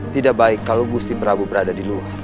tidak baik kalau gusipra berada di luar